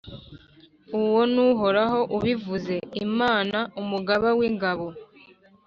uwo ni uhoraho ubivuze, imana umugaba w’ingabo.